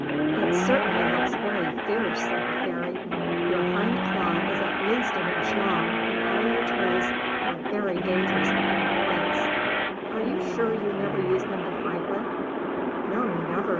'It certainly looks very fierce/' said the Fairy. Your hind claw is at least an inch long, and all your toes have very dangerous looking points. Are you sure you never use them to fight with?'' ''No, never!"